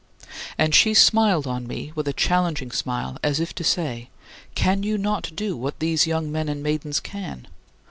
And she smiled on me with a challenging smile as if to say: "Can you not do what these young men and maidens can?